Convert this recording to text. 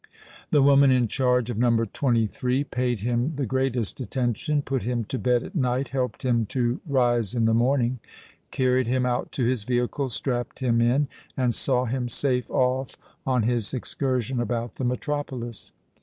The woman in charge of No. 23 paid him the greatest attention—put him to bed at night—helped him to rise in the morning—carried him out to his vehicle—strapped him in—and saw him safe off on his excursion about the metropolis.